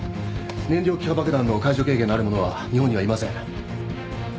燃料気化爆弾の解除経験のある者は日本にはいません。